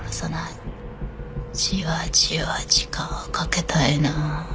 じわじわ時間をかけたいな。